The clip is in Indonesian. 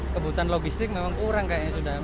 kebutuhan logistik memang kurang kayaknya sudah